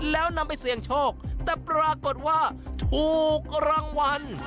แล้วนำไปเสี่ยงโชคแต่ปรากฏว่าถูกรางวัล